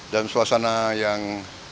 dalam suasana yang